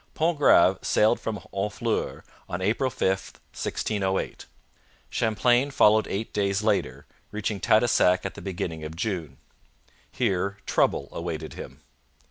Pontgrave sailed from Honfleur on April 5, 1608. Champlain followed eight days later, reaching Tadoussac at the beginning of June. Here trouble awaited him.